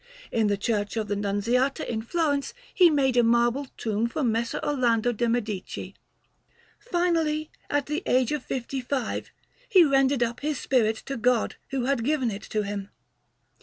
In the Church of the Nunziata in Florence he made a marble tomb for Messer Orlando de' Medici. Finally, at the age of fifty five, he rendered up his spirit to God who had given it to him.